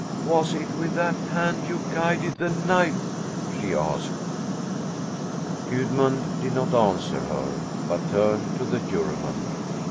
"Was it with that hand you guided the knife?" she asked. Gudmund did not answer her, but turned to the Juryman.